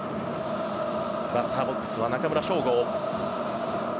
バッターボックスは中村奨吾。